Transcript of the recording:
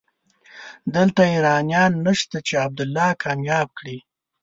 دلته ايرانيان نشته چې عبدالله کامياب کړي.